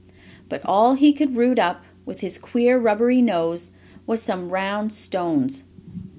But all he could root up, with his queer, rubbery nose, was some round stones.